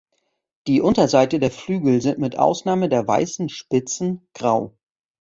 Die Unterseite der Flügel sind mit Ausnahme der weißen Spitzen, grau.